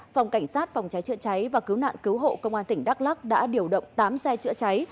phòng cảnh sát phòng cháy chữa cháy và cứu nạn cứu hộ công an tỉnh đắk lắc đã điều động tám xe chữa cháy